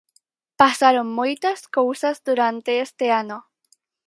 Pasaron moitas cousas durante este ano.